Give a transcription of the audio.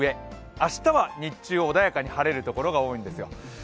明日は日中、穏やかに晴れるところが多いんですよ。